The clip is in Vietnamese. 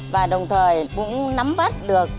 và đồng thời cũng nắm vắt được